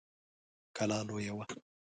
کلا لويه وه.